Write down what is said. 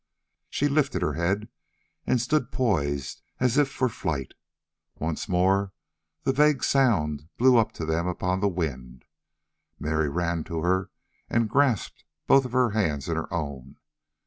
She lifted her head and stood poised as if for flight. Once more the vague sound blew up to them upon the wind. Mary ran to her and grasped both of her hands in her own.